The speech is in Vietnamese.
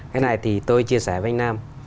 cái này thì tôi chia sẻ với anh nam